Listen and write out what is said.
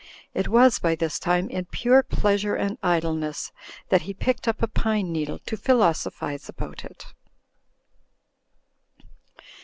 It wfis, by this time, in pure pleasure and idleness that he picked up a pine needle to philosophise about it.